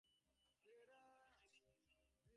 পারিবারিক জটিলতা নিশ্চয়ই তার সমস্যা নয়।